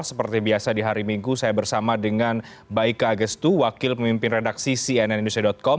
seperti biasa di hari minggu saya bersama dengan baika agestu wakil pemimpin redaksi cnn indonesia com